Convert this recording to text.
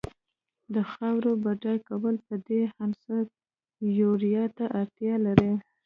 د خاورې بډای کول په دې عنصر یوریا ته اړتیا لري.